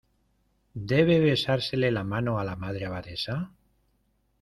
¿ debe besársele la mano a la Madre Abadesa?